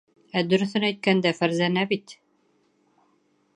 Ә дөрөҫөн әйткәндә, Фәрзәнә бит...